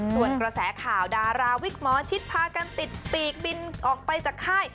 ส่วนกระแสข่าวดาราวิกหมอชิดพากันติดปีกบินออกไปจากค่าย